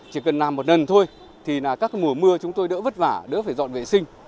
chỉ cần làm một lần thôi thì là các mùa mưa chúng tôi đỡ vất vả đỡ phải dọn vệ sinh